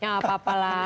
ya apa apa lah